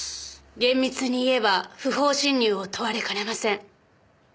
厳密に言えば不法侵入を問われかねません。